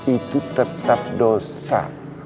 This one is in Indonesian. itu tetap dosa